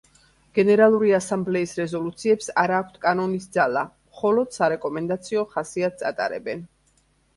გენერალური ასამბლეის რეზოლუციებს არა აქვთ კანონის ძალა, მხოლოდ სარეკომენდაციო ხასიათს ატარებენ.